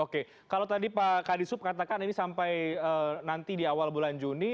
oke kalau tadi pak kadisub katakan ini sampai nanti di awal bulan juni